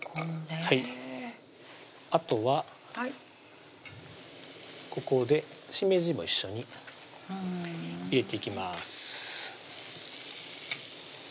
はいあとはここでしめじも一緒に入れていきます